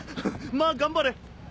まぁ頑張れ。